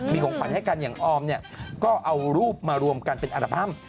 มีของขวัญให้กันอย่างออมเนี่ยก็เอารูปมารวมกันเป็นอัลบั้ม